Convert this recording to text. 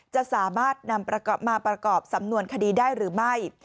จะสามารถนำมาประกอบสำนวนคดีได้หรือไม่